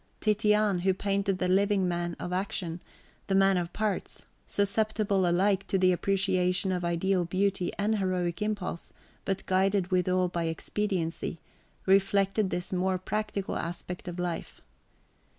Titian, who painted the living man of action, the man of parts, susceptible alike to the appreciation of ideal beauty and heroic impulse, but guided withal by expediency, reflected this more practical aspect of life.